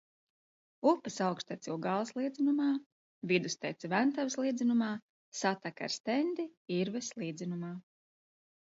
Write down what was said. Upes augštece Ugāles līdzenumā, vidustece Ventavas līdzenumā, sateka ar Stendi – Irves līdzenumā.